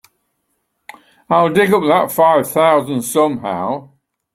I'll dig up that five thousand somehow.